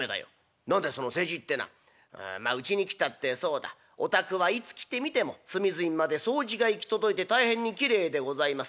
「あまあうちに来たってそうだ『お宅はいつ来てみても隅々まで掃除が行き届いて大変にきれいでございます。